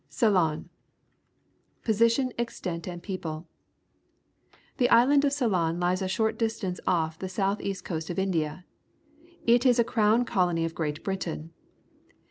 CEYLON Position, Extent, and People. — The island of Ceylon Ues a short distance off the south east coast of India. It is a crown colony of Great Britain.